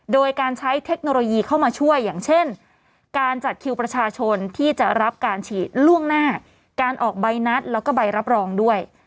โดยการใช้เทคโนโลยีเข้ามาช่วยอย่างเช่นการจัดคิวประชาชนที่จะรับการฉีดล่วงหน้าการออกใบนัดแล้วก็ใบรับรองด้วย